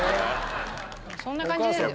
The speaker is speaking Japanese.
もうそんな感じですよ。